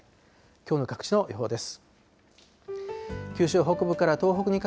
きょうの各地の予報です。